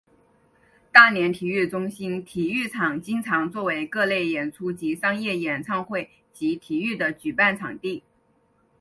大连体育中心体育场经常作为各类演出及商业演唱会及体育的举办场地。